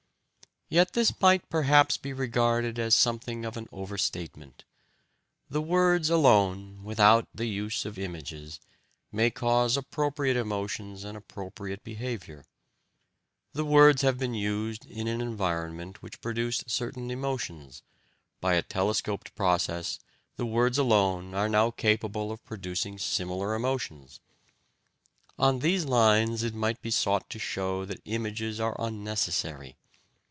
Yet this might perhaps be regarded as something of an overstatement. The words alone, without the use of images, may cause appropriate emotions and appropriate behaviour. The words have been used in an environment which produced certain emotions; by a telescoped process, the words alone are now capable of producing similar emotions. On these lines it might be sought to show that images are unnecessary.